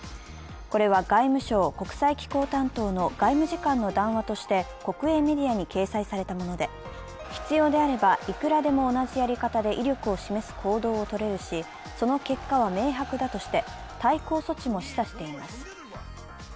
これは外務省国際機構担当の外務次官の談話として国営メディアに掲載されたもので、必要であればいくらでも同じやり方で威力を示す行動をとれるし、その結果は明白だとして対抗措置も示唆しています。